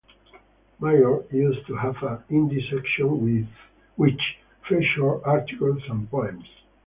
"Mayoor" used to have a Hindi section which featured articles and poems.